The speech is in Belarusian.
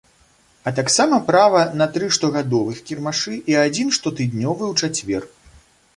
А таксама права на тры штогадовых кірмашы і адзін штотыднёвы у чацвер.